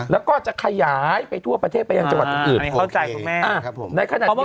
แล้วก็จะขยายไปทั่วประเทศไปยังจัวร์อื่น